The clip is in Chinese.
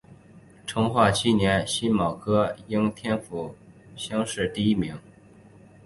成化七年辛卯科应天府乡试第一名。